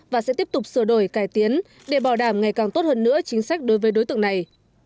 và sẽ tiếp tục sửa đổi cải tiến để bảo đảm ngày càng tốt hơn nữa chính sách đối với đối tượng này